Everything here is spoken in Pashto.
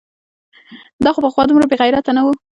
دا خو پخوا دومره بېغیرته نه و؟!